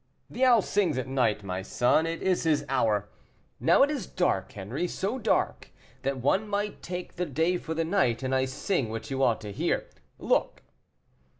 "The owl sings at night, my son, it is his hour. Now it is dark, Henri, so dark that one might take the day for the night, and I sing what you ought to hear. Look!"